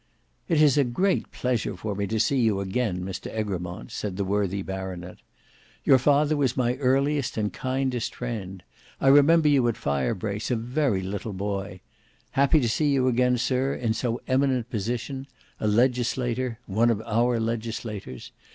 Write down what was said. "It is a great pleasure for me to see you again, Mr Egremont;" said the worthy baronet. "Your father was my earliest and kindest friend. I remember you at Firebrace, a very little boy. Happy to see you again, Sir, in so eminent a position; a legislator—one of our legislators.